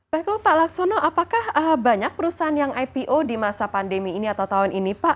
baik lalu pak laksono apakah banyak perusahaan yang ipo di masa pandemi ini atau tahun ini pak